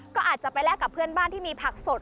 ก็อาจจะไปแลกกับเพื่อนบ้านที่มีผักสด